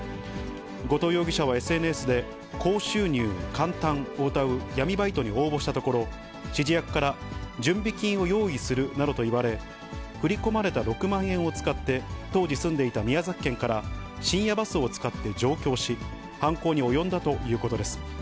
後藤容疑者はＳＮＳで、高収入・簡単をうたう闇バイトに応募したところ、指示役から準備金を用意するなどと言われ、振り込まれた６万円を使って、当時住んでいた宮崎県から深夜バスを使って上京し、犯行に及んだということです。